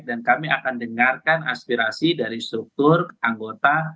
dan kami akan dengarkan aspirasi dari struktur anggota